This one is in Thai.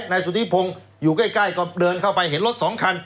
นายสุธิพงศ์อยู่ใกล้ก็เดินเข้าไปเห็นรถสองคัน